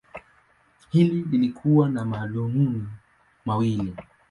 Hili lilikuwa na madhumuni mawili.